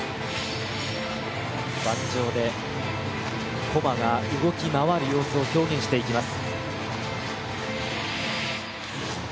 盤上で駒が動き回る様子を表現していきます。